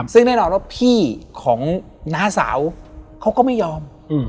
ซึ่งแน่นอนว่าพี่ของน้าสาวเขาก็ไม่ยอม